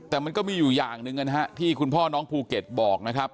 แต่มันก็มีอยู่อย่างหนึ่งนะฮะที่คุณพ่อน้องภูเก็ตบอกนะครับ